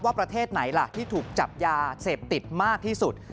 ประเทศไหนล่ะที่ถูกจับยาเสพติดมากที่สุด